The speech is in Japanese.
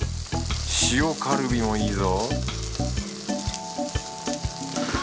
塩カルビもいいぞ